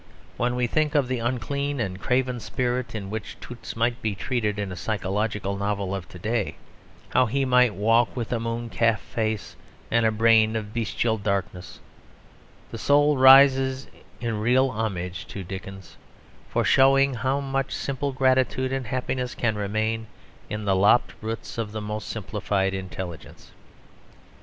When we think of the unclean and craven spirit in which Toots might be treated in a psychological novel of to day; how he might walk with a mooncalf face, and a brain of bestial darkness, the soul rises in real homage to Dickens for showing how much simple gratitude and happiness can remain in the lopped roots of the most simplified intelligence.